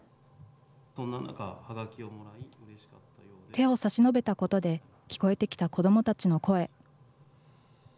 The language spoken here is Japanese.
手を差し伸べたことで聞こえてきた子どもたちの声。